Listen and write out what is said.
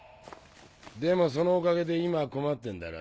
でもそのおかげで今困ってんだろ？